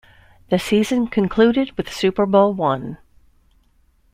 The season concluded with Super Bowl One.